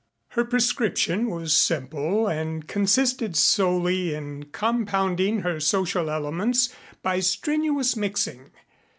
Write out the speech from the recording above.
Her prescription was simple and consisted solely in compounding her social elements by strenuous mixing.